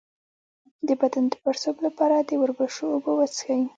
د بدن د پړسوب لپاره د وربشو اوبه وڅښئ